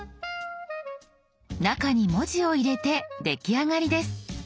中に文字を入れて出来上がりです。